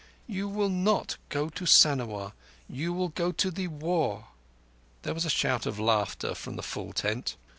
"You will not go to Sanawar. You will go to thee War." There was a shout of laughter from the full tent.